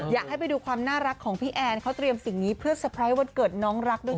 อยากให้ไปดูความน่ารักของพี่แอนเขาเตรียมสิ่งนี้เพื่อเตอร์ไพรส์วันเกิดน้องรักด้วยค่ะ